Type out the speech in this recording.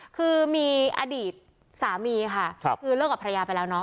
คือมีอดีตสามีค่ะคือเลิกกับภรรยาไปแล้วเนาะ